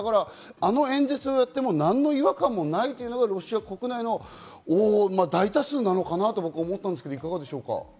あの演説をやっても何の違和感もないのがロシア国内の大多数なのかなと思ったんですが、いかがでしょうか？